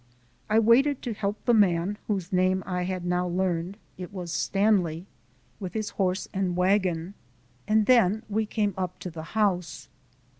I waited to help the man, whose name I had now learned it was Stanley with his horse and wagon, and then we came up to the house.